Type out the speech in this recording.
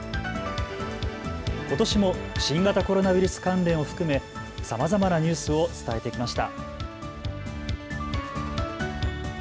ことしも新型コロナウイルス関連を含めさまざまなニュースを伝えてきました。